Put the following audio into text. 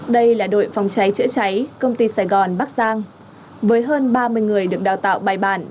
đây là đội phòng cháy chữa cháy công ty sài gòn bắc giang với hơn ba mươi người được đào tạo bài bản